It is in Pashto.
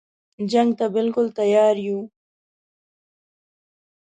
جنګ ته بالکل تیار یو.